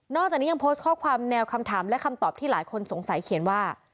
จากนี้ยังโพสต์ข้อความแนวคำถามและคำตอบที่หลายคนสงสัยเขียนว่า